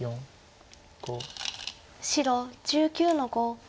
白１９の五。